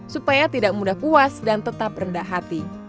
supaya tidak mudah puas dan tetap rendah hati